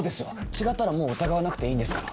違ったらもう疑わなくていいんですから。